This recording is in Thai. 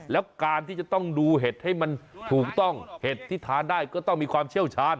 แล้วการที่จะต้องดูเห็ดให้มันถูกต้องเห็ดที่ทานได้ก็ต้องมีความเชี่ยวชาญ